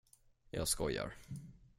Jag skojar.